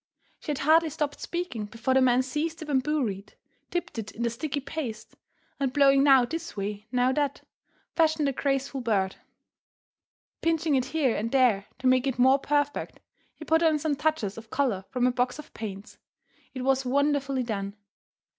She had hardly stopped speaking before the man seized a bamboo reed, dipped it in the sticky paste, and blowing now this way, now that, fashioned the graceful bird. Pinching it here and there to make it more perfect, he put on some touches of colour from a box of paints. It was wonderfully done.